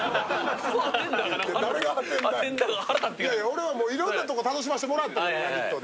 俺はもういろんなとこで楽しませてもらったから、「ラヴィット！」で。